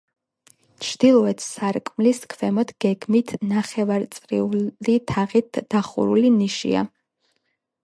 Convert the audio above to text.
ჩრდილოეთ სარკმლის ქვემოთ გეგმით ნახევარწრიული თაღით გადახურული ნიშია.